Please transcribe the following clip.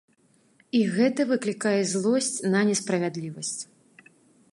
І гэта выклікае злосць на несправядлівасць.